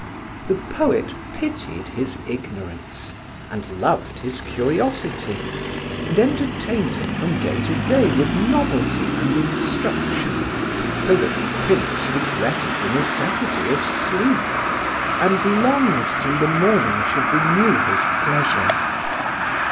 The poet pitied his ignorance, and loved his curiosity, and entertained him from day to day with novelty and instruction so that the Prince regretted the necessity of sleep, and longed till the morning should renew his pleasure.